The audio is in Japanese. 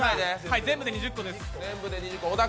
全部で２０個です。